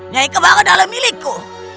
nyai kembang adalah milikku